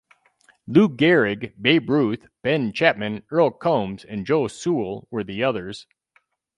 Lou Gehrig, Babe Ruth, Ben Chapman, Earle Combs and Joe Sewell were the others.